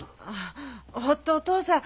ほっとお義父さん